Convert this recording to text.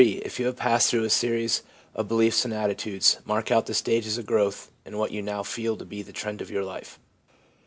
If you have passed through a series of beliefs and attitudes, mark out the stages of growth and what you feel now to be the trend of your life.